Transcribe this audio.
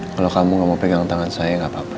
kalau kamu nggak mau pegang tangan saya gak apa apa